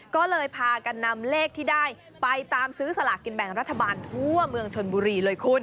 ก็เลยพากันนำเลขที่ได้ไปตามซื้อสลากกินแบ่งรัฐบาลทั่วเมืองชนบุรีเลยคุณ